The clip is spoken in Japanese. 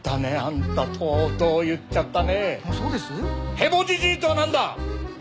ヘボじじいとはなんだ！え？